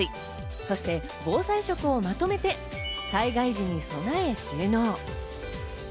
そして防災食をまとめて災害時に備え収納。